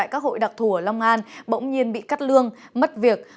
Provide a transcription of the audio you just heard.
các hội đặc thù ở long an bỗng nhiên bị cắt lương mất việc